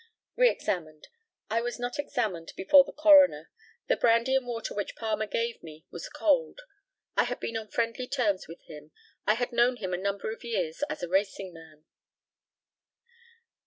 Re examined: I was not examined before the Coroner. The brandy and water which Palmer gave me was cold. I had been on friendly terms with him. I had known him a number of years as a racing man.